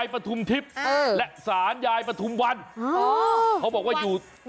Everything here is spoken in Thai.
อ๋อปฐุมวันอยู่ตรงไหน